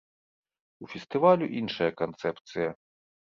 У фестывалю іншая канцэпцыя.